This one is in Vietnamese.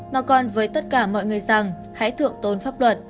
mà còn với tất cả mọi người rằng hãy thượng tôn pháp luật